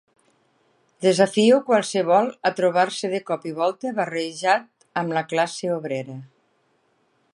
Desafio qualsevol a trobar-se de cop i volta barrejat amb la classe obrera